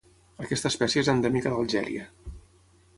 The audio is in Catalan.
Aquesta espècie és endèmica d'Algèria.